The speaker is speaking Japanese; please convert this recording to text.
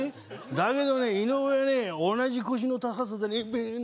だけどね井上はね同じ腰の高さでバーン！